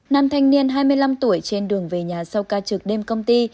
nam thanh niên hai mươi năm tuổi trên đường về nhà sau ca trực đêm công ty